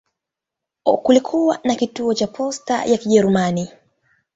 Kulikuwa na kituo cha posta ya Kijerumani.